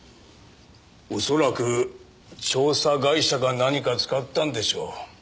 恐らく調査会社か何か使ったんでしょう。